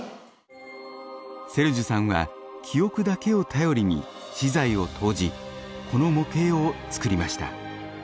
セルジュさんは記憶だけを頼りに私財を投じこの模型を作りました。